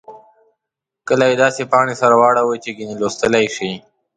کله یې داسې پاڼې سره واړوئ چې ګنې لوستلای یې شئ.